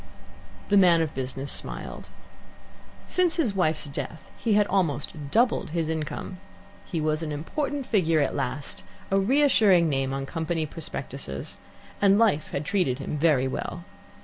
The man of business smiled. Since his wife's death he had almost doubled his income. He was an important figure at last, a reassuring name on company prospectuses, and life had treated him very well.